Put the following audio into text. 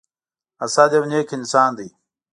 اسد يو نیک انسان دی.